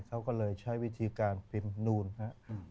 เขาก็เลยใช้วิธีการพิมพ์นูนนะครับ